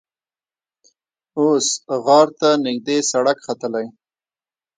اوس غار ته نږدې سړک ختلی.